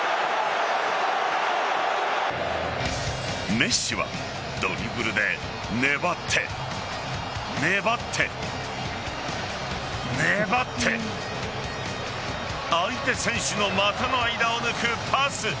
メッシはドリブルで粘って粘って、粘って相手選手の股の間を抜くパス。